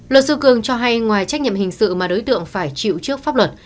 luật sư cường cho hay ngoài trách nhiệm hình sự mà đối tượng phải chịu trước pháp luật